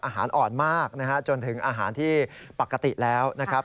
อาหารอ่อนมากนะฮะจนถึงอาหารที่ปกติแล้วนะครับ